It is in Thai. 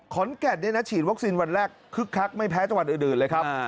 ขอนแก่นเนี่ยนะฉีดวัคซีนวันแรกคึกคักไม่แพ้จังหวัดอื่นเลยครับ